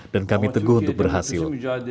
dan kami teguh untuk berhasil